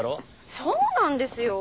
そうなんですよー。